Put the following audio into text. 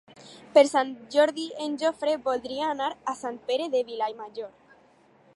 Per Sant Jordi en Jofre voldria anar a Sant Pere de Vilamajor.